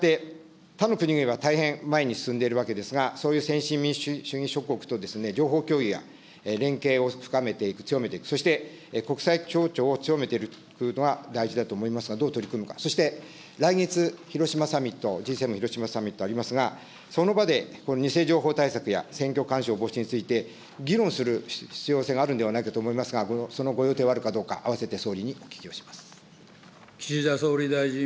したがって、他の国々は大変前に進んでいるわけですが、そういう先進民主主義諸国と情報共有や連携を深めていく、強めていく、そして国際協調を強めていくことが大事だと思いますが、どう取り組むか、そして来月、広島サミット、Ｇ７広島サミットありますが、その場で、偽情報対策や選挙干渉防止について議論する必要性があるんではないかと思いますが、そのご予定はあるかどうか、併せて総理にお聞きをします。